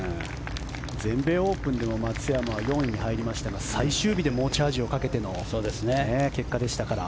全米オープンでも松山は４位に入りましたが最終日で猛チャージをかけての結果でしたから。